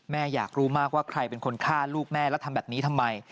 อยากรู้มากว่าใครเป็นคนฆ่าลูกแม่แล้วทำแบบนี้ทำไม